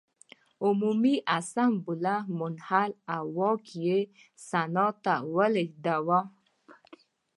عمومي اسامبله منحل او واک یې سنا ته ولېږداوه.